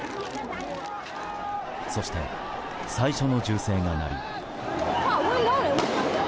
そして最初の銃声が鳴り。